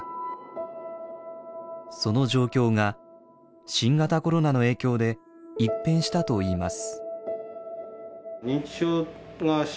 その状況が新型コロナの影響で一変したといいます。